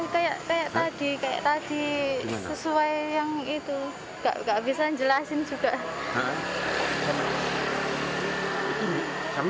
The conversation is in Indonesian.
kayak tadi kayak tadi sesuai yang itu gak bisa jelasin juga